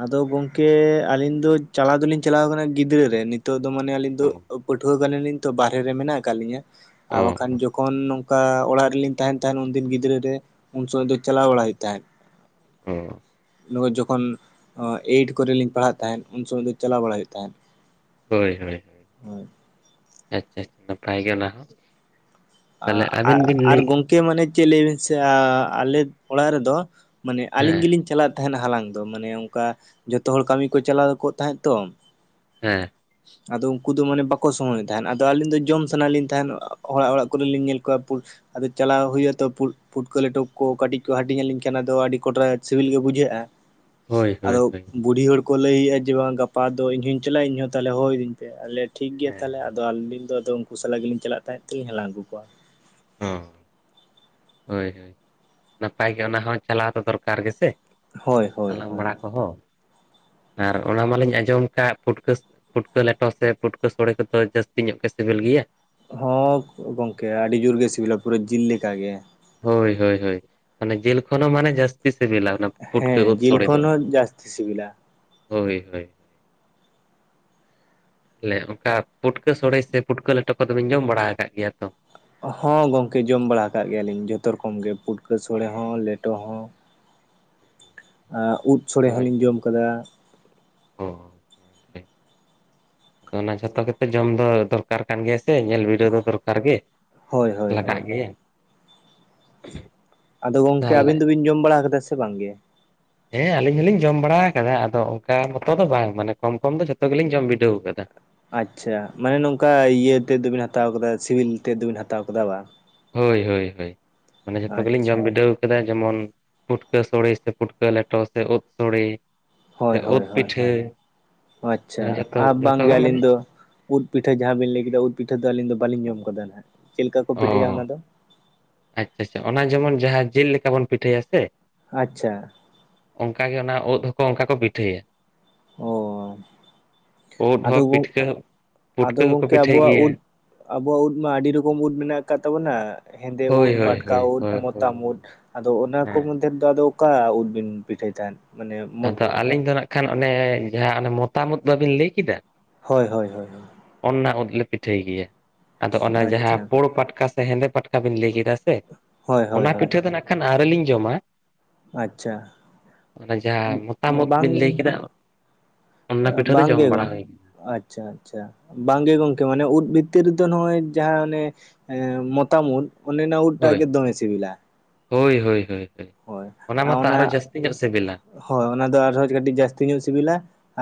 Speaker 1: ᱟᱫᱚ ᱜᱚᱝᱠᱮ ᱟᱹᱞᱤᱧ ᱫᱚ, ᱪᱟᱞᱟᱣ ᱫᱚᱞᱤᱧ ᱪᱟᱞᱟᱣ ᱠᱟᱱᱟ ᱜᱤᱫᱽᱨᱟᱹ ᱨᱮ᱾ ᱱᱤᱛᱚᱜ ᱫᱚ ᱢᱟᱱᱮ ᱟᱹᱞᱤᱧ ᱫᱚ,
Speaker 2: ᱦᱮᱸ
Speaker 1: ᱯᱟᱹᱴᱷᱣᱟᱹ ᱠᱟᱱᱟ ᱞᱤᱧ ᱛᱚ ᱵᱟᱨᱦᱮ ᱨᱮ ᱢᱮᱱᱟᱜ ᱟᱠᱟᱫ ᱞᱤᱧᱟᱹ
Speaker 2: ᱚ
Speaker 1: ᱟᱨ ᱵᱟᱠᱷᱟᱱ ᱡᱚᱠᱷᱚᱱ ᱚᱱᱠᱟ ᱚᱲᱟᱜ ᱨᱮᱞᱤᱧ ᱛᱟᱦᱮᱱ ᱛᱟᱦᱮᱱ, ᱩᱱᱫᱤᱱ ᱜᱤᱫᱽᱨᱟᱹ ᱨᱮ ᱩᱱ ᱥᱚᱢᱚᱭ ᱫᱚ ᱪᱟᱞᱟᱣ ᱵᱟᱲᱟ ᱦᱳᱭᱳᱜ ᱛᱟᱦᱮᱸᱫ,
Speaker 2: ᱚ
Speaker 1: ᱱᱚᱝᱠᱟ ᱡᱚᱠᱷᱚᱱ ᱮᱭᱤᱴ ᱠᱚᱨᱮ ᱞᱤᱧ ᱯᱟᱲᱦᱟᱜ ᱛᱟᱦᱮᱸᱫ, ᱩᱱ ᱥᱚᱢᱚᱭ ᱫᱚ ᱪᱟᱞᱟᱣ ᱵᱟᱲᱟ ᱦᱳᱭᱳᱜ ᱛᱟᱦᱮᱸᱫ᱾
Speaker 2: ᱦᱳᱭ ᱦᱳᱭ,
Speaker 1: ᱦᱳᱭ
Speaker 2: ᱟᱪᱪᱷᱟ ᱟᱪᱪᱷᱟ ᱱᱟᱯᱟᱭ ᱜᱮ ᱚᱱᱟ ᱦᱚᱸ᱾ ᱛᱟᱦᱞᱮ ᱟᱹᱵᱤᱱ ᱵᱤᱱ ᱞᱟᱹᱭ
Speaker 1: ᱠᱮ ᱢᱟᱱᱮ ᱪᱮᱫ ᱞᱟᱹᱭᱵᱤᱱ ᱥᱮ ᱟᱞᱮ ᱚᱲᱟᱜ ᱨᱮᱫᱚ ᱢᱟᱱᱮ ᱟᱹᱞᱤᱧ
Speaker 2: ᱦᱮᱸ
Speaker 1: ᱜᱮᱞᱤᱧ ᱪᱟᱞᱟᱜ ᱛᱟᱦᱮᱱᱟ ᱦᱟᱞᱟᱝ ᱫᱚ᱾ ᱢᱟᱱᱮ ᱚᱱᱠᱟ ᱡᱷᱚᱛᱚ ᱦᱚᱲ ᱠᱟᱹᱢᱤ ᱠᱚ ᱪᱟᱞᱟᱣ ᱠᱚ ᱛᱟᱦᱮᱸᱜ ᱛᱚ᱾
Speaker 2: ᱦᱮᱸ,
Speaker 1: ᱟᱫᱚ ᱩᱱᱠᱩ ᱫᱚ ᱢᱟᱱᱮ ᱵᱟᱠᱚ ᱥᱚᱢᱚᱭᱮᱫ ᱛᱟᱦᱮᱸᱫ, ᱟᱫᱚ ᱟᱹᱞᱤᱧ ᱫᱚ ᱡᱚᱢ ᱥᱟᱱᱟ ᱞᱤᱧ ᱛᱟᱦᱮᱸᱱ ᱚᱲᱟᱜ ᱚᱲᱟᱜ᱾ ᱠᱚᱤᱧᱞ ᱧᱮᱞ ᱠᱚᱣᱟ ᱯᱩ ᱟᱫᱚ ᱪᱟᱞᱟᱣ ᱦᱳᱭᱳᱜ-ᱟ ᱛᱚ, ᱯᱩᱴᱠᱟᱹ ᱞᱮᱴᱚ ᱠᱚ ᱠᱟᱹᱴᱤᱡ ᱠᱚ ᱦᱟᱹᱴᱤᱧ ᱟᱹᱞᱤᱧ ᱠᱷᱟᱱ ᱟᱫᱚ ᱟᱹᱰᱤ ᱠᱚᱴᱨᱟ ᱥᱤᱵᱤᱞ ᱜᱮ ᱵᱩᱡᱷᱟᱹᱜᱼᱟ᱾
Speaker 2: ᱦᱳᱭ ᱦᱳᱭ
Speaker 1: ᱟᱫᱚ
Speaker 2: ᱦᱳᱭ
Speaker 1: ᱵᱩᱰᱦᱤ ᱦᱚᱲ ᱠᱚ ᱞᱟᱹᱭᱼᱟ ᱡᱮ, ᱵᱟᱝ ᱜᱟᱯᱟ ᱫᱚ ᱤᱧ ᱦᱚᱧ ᱪᱟᱞᱟᱜᱟ ᱤᱧ ᱦᱚᱸ ᱛᱟᱦᱚᱞᱮ ᱦᱚᱦᱚ ᱤᱫᱤᱧ ᱯᱮ ᱟᱞᱮ ᱴᱷᱤᱠ ᱜᱮᱭᱟ
Speaker 2: ᱦᱮᱸ
Speaker 1: ᱛᱟᱦᱚᱞᱮ ᱟᱫᱚ ᱟᱹᱞᱤᱧ ᱫᱚ, ᱟᱫᱚ ᱩᱱᱠᱩ ᱥᱟᱞᱟᱜᱞᱤᱧ ᱪᱟᱞᱟᱜ ᱛᱟᱦᱮᱸ ᱛᱮᱞᱤᱧ ᱦᱟᱞᱟᱝ ᱟᱹᱜᱩ ᱠᱚᱣᱟ᱾
Speaker 2: ᱦᱚᱸ᱾ ᱦᱳᱭ ᱱᱟᱯᱟᱭ ᱜᱮ ᱚᱱᱟ ᱦᱚᱸ, ᱪᱟᱞᱟᱣ ᱫᱚ ᱫᱚᱨᱠᱟᱨ ᱜᱮᱥᱮ᱾
Speaker 1: ᱦᱳᱭ ᱦᱳᱭ
Speaker 2: ᱦᱟᱞᱟᱝ
Speaker 1: ᱦᱳᱭ
Speaker 2: ᱵᱟᱲᱟ ᱠᱚᱦᱚᱸ᱾
Speaker 1: [UNINTELLIGIBLE] [INAUDIBLE]
Speaker 2: ᱟᱨ ᱚᱱᱟ ᱢᱟᱞᱤᱧ ᱟᱸᱡᱚᱢ ᱠᱟᱜ ᱯᱷᱩᱴᱠᱟᱹ ᱯᱩᱴᱠᱟᱹ ᱞᱮᱴᱚ ᱥᱮ, ᱯᱩᱴᱠᱟᱹ ᱥᱚᱲᱮ ᱠᱚᱫᱚ, ᱡᱟᱹᱥᱛᱤ ᱧᱚᱜ ᱜᱮ ᱥᱤᱵᱤᱞ ᱜᱮᱭᱟ᱾
Speaker 1: ᱦᱚᱸ ᱜᱚᱝᱠᱮ ᱟᱹᱰᱤ ᱡᱳᱨ ᱜᱮ ᱥᱤᱵᱤᱞᱟ, ᱯᱩᱨᱟᱹ ᱡᱤᱞ ᱞᱮᱠᱟᱜ ᱜᱮ᱾
Speaker 2: ᱦᱳᱭ, ᱦᱳᱭ, ᱦᱳᱭ ᱢᱟᱱᱮ ᱡᱤᱞ ᱠᱷᱚᱱ ᱦᱚᱸ ᱢᱟᱱᱮ ᱡᱟᱥᱛᱤ ᱡᱟᱥᱛᱤ ᱥᱤᱵᱤᱞᱟ ᱚᱱᱟ ᱯᱩᱴᱠᱟᱹ
Speaker 1: ᱦᱮᱸ
Speaker 2: ᱩᱛ
Speaker 1: ᱡᱤᱞ
Speaker 2: ᱥᱳᱚᱲᱮ ᱫᱚ,
Speaker 1: ᱠᱷᱚᱱ ᱦᱚᱸ ᱡᱟᱹᱥᱛᱤ ᱥᱤᱵᱤᱞᱟ
Speaker 2: ᱦᱳᱭ ᱦᱳᱭ᱾ ᱛᱟᱦᱮ ᱚᱱᱠᱟ ᱯᱩᱴᱠᱟᱹ ᱥᱚᱲᱮ ᱥᱮ, ᱯᱩᱴᱠᱟᱹ ᱞᱮᱴᱚ ᱠᱚᱫᱚ ᱵᱤᱱ ᱡᱚᱢ ᱵᱟᱲᱟ ᱟᱠᱟᱫ ᱜᱮᱭᱟ ᱛᱚ?
Speaker 1: ᱦᱚᱸ ᱜᱚᱝᱠᱮ ᱡᱚᱢ ᱵᱟᱲᱟ ᱟᱠᱟᱟᱜ ᱜᱮᱭᱟᱞᱤᱧ, ᱡᱷᱚᱛᱚ ᱨᱚᱠᱚᱢ ᱜᱮ ᱯᱷᱩᱴᱠᱟᱹ ᱥᱲᱮ ᱦᱚᱸ ᱞᱮᱴᱚ ᱦᱚᱸ᱾
Speaker 2: [UNINTELLIGIBLE] [INAUDIBLE]
Speaker 1: ᱩᱫ ᱥᱚᱲᱮ ᱦᱚᱸᱞᱤᱧ ᱡᱚᱢ ᱠᱟᱫᱟ᱾
Speaker 2: ᱦᱚᱸ, ᱚᱱᱟ ᱡᱷᱚᱛᱚ ᱜᱮᱛᱚ ᱡᱚᱢ ᱫᱚ ᱫᱚᱨ ᱫᱚᱨᱠᱟᱨ ᱠᱟᱱ ᱜᱮᱭᱟ ᱥᱮ, ᱧᱮᱞ ᱵᱤᱰᱟᱹᱣ ᱫᱚ ᱫᱚᱨᱠᱟᱨ ᱜᱮ
Speaker 1: ᱦᱳᱭ ᱦᱳᱭ
Speaker 2: ᱞᱟᱜᱟᱜ
Speaker 1: ᱦᱳᱭ
Speaker 2: ᱜᱮᱭᱟ᱾
Speaker 1: ᱟᱫᱚ ᱜᱚᱝᱠᱮ
Speaker 2: ᱛᱟᱦᱚᱞᱮ
Speaker 1: ᱟᱵᱤᱱ ᱫᱚᱵᱤᱱ ᱡᱚᱢ ᱵᱟᱲᱟ ᱟᱠᱟᱫᱟ ᱥᱮ ᱵᱟᱝᱜᱮ᱾
Speaker 2: ᱦᱮᱸ ᱟᱞᱤᱧ ᱦᱚᱞᱤᱧ ᱡᱚᱢ ᱵᱟᱲᱟ ᱟᱠᱟᱫᱟ ᱟᱫᱚ ᱚᱱᱠᱟ ᱢᱚᱛᱚ ᱫᱚ ᱵᱟᱝ ᱢᱟᱱᱮ ᱠᱚᱢ ᱠᱚᱢ ᱫᱚ ᱡᱷᱚᱛᱚ ᱜᱮᱞᱤᱧ ᱡᱚᱢ ᱵᱤᱰᱟᱹᱣ ᱠᱟᱫᱟ᱾
Speaker 1: ᱟᱪᱪᱷᱟ ᱢᱟᱱᱮ ᱱᱚᱝᱠᱟ ᱤᱭᱟᱹ ᱛᱮᱫ ᱫᱚᱵᱤᱱ ᱦᱟᱛᱟᱣ ᱟᱠᱟᱫᱟ ᱥᱤᱵᱤᱞ ᱛᱮᱫ ᱫᱚᱵᱤᱱ ᱦᱟᱛᱟᱣ ᱠᱟᱫᱟ ᱵᱟᱝ᱾
Speaker 2: ᱦᱳᱭ ᱦᱳᱭ ᱦᱳᱭ ᱢᱟᱱᱮ ᱡᱷᱚᱛᱚ ᱜᱮᱞᱤᱧ
Speaker 1: ᱟᱪᱪᱷᱟ
Speaker 2: ᱡᱚᱢ ᱵᱤᱰᱟᱹᱣ᱾ ᱠᱮᱫᱟ ᱡᱮᱢᱚᱱ ᱯᱷᱩᱴᱠᱟᱹ ᱥᱚᱲᱮ ᱥᱮ ᱯᱷᱩᱴᱠᱟᱹ ᱞᱮᱴᱚ ᱥᱮ ᱩᱫ ᱥᱚᱲᱮ᱾
Speaker 1: ᱦᱳᱭ
Speaker 2: ᱥᱮ ᱩᱫ
Speaker 1: ᱦᱳᱭ ᱦᱳᱭ
Speaker 2: ᱯᱤᱴᱷᱟᱹ ᱢᱟᱱᱮ ᱡᱚᱛᱚ
Speaker 1: ᱟᱪᱪᱷᱟᱼᱟ
Speaker 2: ᱡᱚᱛᱚ
Speaker 1: ᱵᱟᱝᱜᱮ
Speaker 2: ᱜᱮ
Speaker 1: ᱟᱹᱞᱤᱧ
Speaker 2: ᱢᱟᱱᱮ
Speaker 1: ᱫᱚ᱾ ᱩᱫ ᱯᱤᱴᱷᱟᱹ ᱡᱟᱦᱟᱸ ᱵᱤᱱ ᱞᱟᱹᱭ ᱠᱮᱫᱟ ᱩᱫ ᱯᱤᱴᱷᱟᱹ ᱫᱚ ᱟᱹᱞᱤᱧ ᱫᱚ ᱵᱟᱞᱤᱧ ᱡᱚᱢ ᱟᱠᱟᱫᱟ ᱱᱟᱦᱟᱜ ᱪᱮᱫ ᱞᱮᱠᱟ ᱠᱚ
Speaker 2: ᱚ
Speaker 1: ᱯᱤᱴᱷᱟᱹᱭᱟ ᱚᱱᱟ ᱫᱚ᱾
Speaker 2: ᱟᱪᱪᱷᱟ ᱟᱪᱪᱷᱟ ᱚᱱᱟ ᱡᱮᱢᱚᱱ ᱡᱟᱦᱟᱸ ᱡᱤᱞ ᱞᱮᱠᱟ ᱵᱚᱱ ᱯᱤᱴᱷᱟᱹᱭᱟ ᱥᱮ᱾
Speaker 1: ᱟᱪᱪᱷᱟ
Speaker 2: ᱚᱱᱠᱟ ᱜᱮ ᱚᱱᱟ ᱩᱫ ᱦᱚᱸᱠᱚ ᱚᱱᱠᱟ ᱠᱚ ᱯᱤᱴᱷᱟᱹᱭᱟ᱾
Speaker 1: ᱚ
Speaker 2: ᱩᱫ
Speaker 1: ᱟᱫᱚ
Speaker 2: ᱦᱚᱸ ᱯᱤᱴᱷᱠᱟᱹ ᱯᱩᱴᱠᱟᱹ
Speaker 1: ᱟᱫᱚ
Speaker 2: ᱦᱚᱸᱠᱚ
Speaker 1: ᱜᱚᱝᱠᱮ
Speaker 2: ᱯᱤᱴᱷᱟᱹᱭ
Speaker 1: ᱟᱵᱚᱣᱟᱜ
Speaker 2: ᱜᱮᱭᱟ᱾
Speaker 1: ᱩᱫ ᱟᱵᱚᱣᱟᱜ ᱩᱫ ᱢᱟ ᱟᱹᱰᱤ ᱨᱚᱠᱚᱢ ᱩᱫ ᱢᱮᱱᱟᱜ ᱟᱠᱟᱫ ᱛᱟᱵᱚᱱᱟ ᱦᱮᱸᱫᱮ
Speaker 2: ᱦᱳᱭ
Speaker 1: ᱩᱫ
Speaker 2: ᱦᱳᱭ
Speaker 1: ᱯᱟᱴᱠᱟ
Speaker 2: ᱦᱳᱭ
Speaker 1: ᱩᱫ
Speaker 2: ᱦᱳᱭ ᱦᱳᱭ
Speaker 1: ᱢᱚᱛᱟᱢ ᱩᱫ᱾
Speaker 2: ᱦᱳᱭ
Speaker 1: ᱟᱫᱚ ᱚᱱᱟ ᱠᱚ
Speaker 2: ᱦᱮᱸ
Speaker 1: ᱢᱚᱫᱽᱫᱷᱮ ᱨᱮᱫᱚ ᱟᱫᱚ ᱚᱠᱟ ᱩᱫ ᱵᱤᱱ ᱯᱤᱴᱷᱟᱹᱭ ᱛᱟᱦᱮᱸᱫ ᱢᱟᱱᱮ᱾
Speaker 2: ᱟᱫᱚ ᱟᱹᱞᱤᱧ ᱫᱚ ᱱᱟᱜ ᱠᱷᱟᱱ ᱚᱱᱮ ᱡᱟᱦᱟᱸ ᱚᱱᱮ ᱢᱚᱛᱟᱢ ᱩᱫ ᱵᱟᱹᱵᱤᱱ ᱞᱟᱹᱭ ᱠᱮᱫᱟ᱾
Speaker 1: ᱦᱳᱭ ᱦᱳᱭ ᱦᱳᱭᱭ᱾
Speaker 2: ᱚᱱᱟ ᱩᱫ ᱞᱮ ᱯᱤᱴᱷᱟᱹᱭ ᱜᱮᱭᱟ ᱟᱫᱚ ᱚᱱᱟ ᱡᱟᱦᱟᱸ
Speaker 1: ᱟᱪᱪᱷᱟ
Speaker 2: ᱯᱳᱲ ᱯᱟᱴᱠᱟ ᱥᱮ ᱦᱮᱸᱫᱮ ᱯᱟᱴᱠᱟ ᱵᱤᱱ ᱞᱟᱹᱭ ᱠᱮᱫᱟ᱾ ᱥᱮ
Speaker 1: ᱦᱳᱭ ᱦᱳᱭ
Speaker 2: ᱚᱱᱟ
Speaker 1: ᱦᱳᱭ
Speaker 2: ᱯᱤᱴᱷᱟᱹ ᱫᱚ ᱱᱟᱜ ᱠᱷᱟᱱ ᱟᱨᱮᱞᱤᱧ ᱡᱚᱢᱟ᱾
Speaker 1: ᱟᱪᱪᱷᱟ
Speaker 2: ᱚᱱᱟ ᱡᱟᱦᱟᱸ ᱢᱚᱛᱟᱢ ᱩᱫ
Speaker 1: ᱵᱟᱝ
Speaker 2: ᱵᱤᱱ ᱞᱟᱹᱭ ᱠᱮᱫᱟ ᱚᱱᱟ ᱯᱤᱴᱷᱟᱹ ᱫᱚ
Speaker 1: ᱵᱟᱝ
Speaker 2: ᱡᱚᱢ
Speaker 1: ᱜᱮ
Speaker 2: ᱵᱟᱲᱟ
Speaker 1: ᱜᱚᱝᱼᱼ
Speaker 2: ᱦᱩᱭ ᱠᱟᱱᱟ᱾
Speaker 1: ᱟᱪᱪᱷᱟ ᱟᱪᱪᱷᱟ ᱵᱟᱝᱜᱮ ᱜᱚᱝᱠᱮ ᱢᱟᱱᱮ ᱩᱫ ᱵᱷᱤᱛᱤᱨ ᱨᱮᱫᱚ ᱱᱚᱜᱼᱚᱭ ᱡᱟᱦᱟᱸ ᱚᱱᱮ᱾ ᱮ ᱢᱚᱛᱟᱢ ᱩᱫ ᱚᱱᱮ ᱚᱱᱟ ᱩᱫ ᱴᱟᱜ
Speaker 2: ᱦᱳᱭ
Speaker 1: ᱜᱮ ᱫᱚᱢᱮ ᱥᱤᱵᱤᱞᱟ᱾
Speaker 2: ᱦᱳᱭ ᱦᱳᱭ ᱦᱳᱭ ᱚᱱᱟ ᱢᱟᱛᱚ ᱟᱨᱚ ᱡᱟᱹᱥᱛᱤ ᱧᱚᱜ ᱥᱤᱵᱤᱼᱼ
Speaker 1: ᱦᱳᱭ ᱚᱱᱟ ᱫᱚ ᱟᱨᱦᱚᱸ ᱠᱟᱹᱴᱤᱡ ᱡᱟᱹᱥᱛᱤ ᱧᱚᱜ ᱥᱤᱵᱤᱞᱟ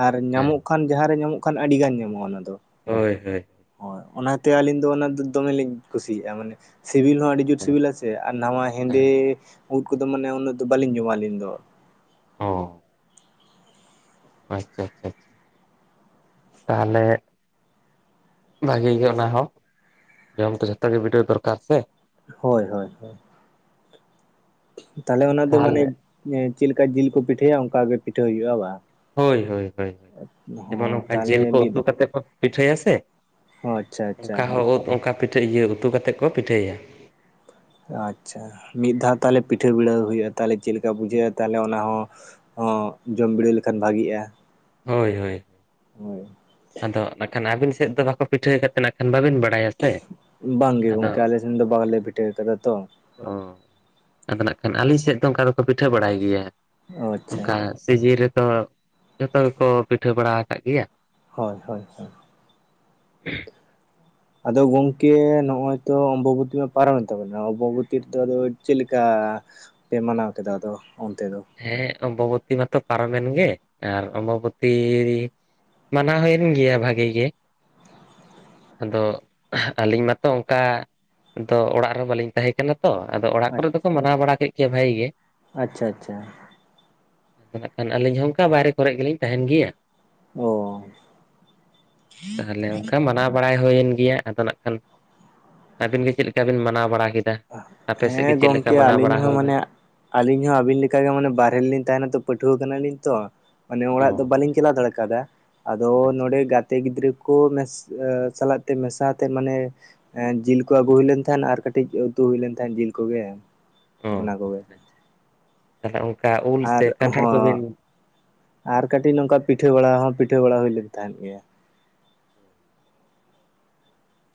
Speaker 1: ᱟᱨ
Speaker 2: ᱦᱮᱸ
Speaker 1: ᱧᱟᱢᱚᱜ᱾ ᱠᱷᱟᱱ ᱡᱟᱦᱟᱸ ᱨᱮ ᱧᱟᱢᱚᱜ ᱠᱷᱟᱱ ᱟᱹᱰᱤ ᱜᱟᱱ ᱧᱟᱢᱚᱜᱼᱟ ᱚᱱᱟ ᱫᱚ᱾
Speaker 2: ᱦᱳᱭ ᱦᱳᱭ
Speaker 1: ᱦᱳᱭ ᱚᱱᱟᱛᱮ ᱟᱹᱞᱤᱧ ᱫᱚ ᱚᱱᱟ ᱫᱚ ᱫᱚᱢᱮᱞᱤᱧ ᱠᱩᱥᱤᱭᱟᱜᱼᱟ ᱢᱟᱱᱮ ᱥᱤᱵᱤᱞ ᱦᱚᱸ ᱟᱹᱰᱤ᱾ ᱡᱩᱛ ᱥᱤᱵᱤᱞᱟ ᱥᱮ ᱟᱨ ᱱᱟᱣᱟ ᱦᱮᱸᱫᱮ
Speaker 2: ᱦᱮᱸ
Speaker 1: ᱩᱫ ᱠᱚᱫᱚ ᱢᱟᱱᱮ ᱩᱱᱟᱹᱜ ᱫᱚ ᱵᱟᱞᱤᱧ ᱡᱚᱢᱟ ᱟᱹᱞᱤᱧ ᱫᱚ᱾
Speaker 2: ᱚ ᱟᱪᱪᱷᱟ ᱟᱪᱪᱷᱟ ᱛᱟᱦᱚᱞᱮ᱾ ᱵᱷᱟᱜᱮ ᱜᱮ ᱚᱱᱟ ᱦᱚᱸ ᱡᱚᱢ ᱫᱚ ᱡᱚᱛᱚ ᱜᱮ ᱵᱤᱰᱟᱹᱣ ᱫᱚᱨᱠᱟᱨ ᱥᱮ᱾
Speaker 1: ᱦᱳᱭ ᱦᱳᱭ ᱛᱟᱦᱚᱞᱮ ᱚᱱᱟ ᱫᱚ ᱢᱟᱱᱮ᱾
Speaker 2: ᱛᱟᱦᱚᱞᱮ
Speaker 1: ᱪᱮᱫ ᱞᱮᱠᱟ ᱡᱤᱞ ᱠᱚ ᱯᱤᱴᱷᱟᱹᱭᱟ ᱚᱱᱠᱟᱜ ᱜᱮ ᱯᱤᱴᱷᱟᱹ ᱦᱩᱭᱩᱜᱼᱟ ᱵᱟ᱾
Speaker 2: ᱦᱳᱭ ᱦᱳᱭ ᱡᱮᱢᱚᱱ ᱚᱱᱠᱟ
Speaker 1: ᱛᱟᱦᱚᱞᱮ
Speaker 2: ᱡᱤᱞ ᱠᱚ
Speaker 1: ᱢᱤᱫ
Speaker 2: ᱩᱛᱩ ᱠᱟᱛᱮ ᱠᱚ ᱯᱤᱴᱷᱟᱹᱭᱟ ᱥᱮ᱾
Speaker 1: ᱦᱚᱸ ᱟᱪᱪᱷᱟ ᱟᱪᱪᱷᱟ
Speaker 2: ᱚᱱᱠᱟ ᱦᱚᱸ ᱩᱫ ᱚᱱᱠᱟ ᱯᱤᱴᱷᱟᱹ ᱤᱭᱟᱹ ᱩᱛᱩ ᱠᱟᱛᱮ ᱠᱚ ᱯᱤᱴᱷᱟᱹᱭᱟ᱾
Speaker 1: ᱟᱪᱪᱷᱟ ᱢᱤᱫ ᱫᱷᱟᱣ ᱛᱟᱦᱚᱞᱮ ᱯᱤᱴᱷᱟᱹ ᱵᱤᱲᱟᱹᱣ ᱦᱩᱭᱩᱜᱼᱟ ᱛᱟᱦᱚᱞᱮ ᱪᱮᱫ ᱞᱮᱠᱟ ᱵᱩᱡᱷᱟᱹᱜᱼᱟ ᱛᱟᱦᱚᱞᱮ ᱚᱱᱟ ᱦᱚᱸ- ᱦᱚᱸ ᱡᱚᱢ ᱵᱤᱲᱤᱣ ᱞᱮᱠᱷᱟᱱ ᱵᱷᱟᱜᱤᱮᱜᱼᱟ᱾
Speaker 2: ᱦᱳᱭ ᱦᱳᱭ ᱟᱫᱚ ᱱᱟᱜ ᱠᱷᱟᱱ ᱟᱹᱵᱤᱱ ᱥᱮᱫ ᱫᱚ ᱵᱟᱠᱚ ᱯᱤᱴᱷᱟᱹᱛ ᱠᱷᱟᱱ ᱵᱟᱵᱤᱱ ᱵᱟᱲᱟᱭᱟ? ᱥᱮ
Speaker 1: ᱵᱟᱝᱜᱮ ᱜᱚᱝᱠᱮ
Speaker 2: ᱟᱫᱚ
Speaker 1: ᱟᱞᱮ ᱥᱮᱱ ᱫᱚ ᱵᱟᱝᱞᱮ ᱵᱷᱤᱴᱷᱟᱹᱣ ᱠᱟᱫᱟ ᱛᱚ᱾
Speaker 2: ᱚ ᱟᱫᱚ ᱱᱟᱜ ᱠᱷᱟᱱ ᱟᱹᱞᱤᱧ ᱥᱮᱫ ᱫᱚ ᱚᱱᱠᱟ ᱫᱚᱠᱚ ᱯᱤᱴᱷᱟᱹ ᱵᱟᱲᱟᱭ ᱜᱮᱭᱟ
Speaker 1: ᱚ ᱟᱪᱪᱷᱟ
Speaker 2: ᱚᱱᱠᱟ᱾ ᱥᱮ ᱡᱤ ᱨᱮ ᱛᱚ᱾ ᱡᱚᱛᱚ ᱜᱮᱠᱚ ᱯᱤᱴᱷᱟᱹ ᱵᱟᱲᱟ ᱟᱠᱟᱫ ᱜᱮᱭᱟ᱾
Speaker 1: ᱦᱳᱭ ᱦᱳᱭ ᱦᱳᱭ᱾
Speaker 2: [UNINTELLIGIBLE]
Speaker 1: ᱟᱫᱚ ᱜᱚᱝᱠᱮ ᱱᱚᱜᱚᱭ ᱛᱚ ᱚᱢᱵᱚᱵᱚᱛᱤ ᱢᱟ ᱯᱟᱨᱚᱢᱮᱱ ᱛᱟᱵᱚᱱᱟ ᱚᱢᱵᱚᱵᱚᱛᱤ ᱨᱮᱫᱚ ᱟᱫᱚ ᱪᱮᱫ ᱞᱮᱠᱟ- ᱯᱮ ᱢᱟᱱᱟᱣ ᱠᱮᱫᱟ ᱟᱫᱚ ᱚᱱᱛᱮ ᱫᱚ?
Speaker 2: ᱦᱮᱸ ᱚᱢᱵᱚᱵᱚᱛᱤ ᱢᱟᱛᱚ ᱯᱟᱨᱚᱢᱮᱱ ᱜᱮ ᱟᱨ ᱚᱢᱵᱚᱵᱚᱛᱤ- ᱢᱟᱱᱟᱣ ᱦᱩᱭᱮᱱ ᱜᱮᱭᱟ ᱵᱷᱟᱜᱤ ᱜᱮ᱾ ᱟᱫᱚ ᱟᱹᱞᱤᱧ ᱢᱟᱛᱚ ᱚᱝᱠᱟ ᱫᱚ ᱚᱲᱟᱜ ᱨᱮᱦᱚᱸ ᱵᱟᱹᱞᱤᱧ ᱛᱟᱦᱮᱸ ᱠᱟᱱᱟ ᱛᱚ, ᱟᱫᱚ ᱚᱲᱟᱜ ᱠᱚᱨᱮ
Speaker 1: ᱟᱪᱪᱷᱟ
Speaker 2: ᱫᱚᱠᱚ ᱢᱟᱱᱟᱣ ᱵᱟᱲᱟ ᱠᱮᱫ ᱜᱮᱭᱟ ᱵᱷᱟᱭᱤ ᱜᱮ᱾
Speaker 1: ᱟᱪᱪᱷᱟ ᱟᱪᱪᱷᱟ᱾
Speaker 2: ᱟᱫᱚ ᱱᱟᱜ ᱠᱷᱟᱱ ᱟᱹᱞᱤᱧ ᱦᱚᱸ ᱚᱱᱠᱟ ᱵᱟᱭᱨᱮ ᱠᱚᱨᱮ ᱜᱮᱞᱤᱧ ᱛᱟᱦᱮᱱ ᱜᱮᱭᱟ᱾
Speaker 1: ᱚ᱾
Speaker 2: ᱛᱟᱦᱚᱞᱮ ᱚᱱᱠᱟ ᱢᱟᱱᱟᱣ ᱵᱟᱲᱟᱭ ᱦᱩᱭᱮᱱ ᱜᱮᱭᱟ, ᱟᱫᱚ ᱱᱟᱜ ᱠᱷᱟᱱ ᱟᱹᱵᱤᱱ ᱜᱮ ᱪᱮᱫ ᱞᱮᱠᱟ ᱵᱤᱱ ᱢᱟᱱᱟᱣ ᱵᱟᱲᱟ ᱠᱮᱫᱟ? ᱟᱯᱮ ᱥᱮᱫ
Speaker 1: ᱦᱮᱸ
Speaker 2: ᱜᱮ ᱪᱮᱫ ᱞᱮᱠᱟ
Speaker 1: ᱜᱚᱝᱠᱮ
Speaker 2: ᱢᱟᱱᱟᱣ
Speaker 1: ᱟᱹᱞᱤᱧ
Speaker 2: ᱵᱟᱲᱟ
Speaker 1: ᱦᱚᱸ
Speaker 2: ᱦᱩᱭᱱᱟ
Speaker 1: ᱢᱟᱱᱮ ᱟᱹᱞᱤᱧ ᱦᱚᱸ ᱟᱹᱵᱤᱱ ᱞᱮᱠᱟᱜᱮ ᱢᱟᱱᱮ ᱵᱟᱨᱦᱮ ᱨᱮᱞᱤᱧ ᱛᱟᱦᱮᱱᱟ ᱛᱚ ᱯᱟᱹᱴᱷᱩᱣᱟᱹ ᱠᱟᱱᱟᱞᱤᱧ ᱛᱚ ᱢᱟᱱᱮ
Speaker 2: ᱚ
Speaker 1: ᱚᱲᱟᱜ ᱫᱚ ᱵᱟᱞᱤᱧ ᱪᱟᱞᱟ ᱫᱟᱲᱮ ᱠᱟᱫᱟ, ᱟᱫᱚ
Speaker 2: ᱟᱪᱪᱷᱟ,
Speaker 1: ᱱᱚᱰᱮ ᱜᱟᱛᱮ ᱜᱤᱫᱽᱨᱟᱹ ᱠᱚ ᱢᱮᱥ ᱟ ᱥᱟᱞᱟᱜ ᱛᱮ ᱢᱮᱥᱟᱛᱮ ᱢᱟᱱᱮ ᱮ ᱡᱤᱞ ᱠᱚ ᱟᱹᱜᱩ ᱦᱩᱭ ᱞᱮᱱ ᱛᱟᱦᱮᱸᱱ ᱟᱨ ᱠᱟᱹᱴᱤᱡ ᱩᱛᱩ ᱦᱩᱭ ᱞᱮᱱ ᱛᱟᱦᱮᱸᱱ ᱡᱤᱞ ᱠᱚᱜᱮ ᱾ ᱚᱱᱟ
Speaker 2: ᱚ
Speaker 1: ᱠᱚᱜᱮ
Speaker 2: ᱟᱪᱪᱷᱟ᱾ ᱛᱟᱦᱚᱞᱮ ᱚᱱᱠᱟ ᱩᱞ
Speaker 1: ᱟᱨ
Speaker 2: ᱥᱮ ᱠᱟᱱᱴᱷᱟᱲ
Speaker 1: ᱦᱚᱸ ᱾
Speaker 2: ᱠᱚᱵᱤᱱ
Speaker 1: ᱟᱨ ᱠᱟᱹᱴᱤᱡ ᱱᱚᱝᱠᱟ ᱯᱤᱴᱷᱟᱹ ᱵᱟᱲᱟ ᱦᱚᱸ ᱯᱤᱴᱷᱟᱹ ᱵᱟᱲᱟ ᱦᱩᱭᱞᱮᱱ ᱛᱟᱦᱮᱸᱱ ᱜᱮᱭᱟ᱾